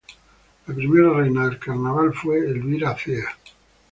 La primera reina del carnaval fue Elvira Zea.